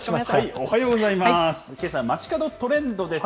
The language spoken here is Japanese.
おはようございます。